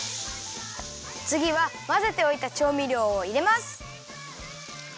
つぎはまぜておいたちょうみりょうをいれます。